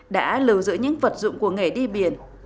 đã lưu giữ những vật dụng của nghề đi biển